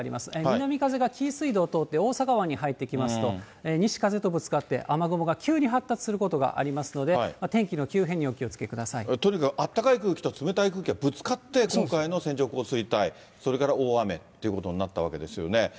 南風が紀伊水道を通って、大阪湾に入ってきますと、西風とぶつかって、雨雲が急に発達することがありますので、とにかく、暖かい空気と冷たい空気がぶつかって、今回の線状降水帯、それから大雨ということになったわけですよね。